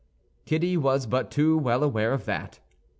Kitty was but too well aware of that.